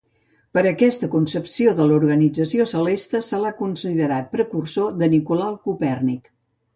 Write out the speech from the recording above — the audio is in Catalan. Per aquesta concepció de l'organització celeste, se l'ha considerat precursor de Nicolau Copèrnic.